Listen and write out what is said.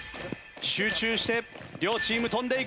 集中して両チーム跳んでいく。